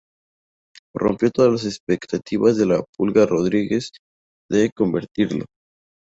Rompió así las expectativas de la "Pulga" Rodríguez de convertirlo.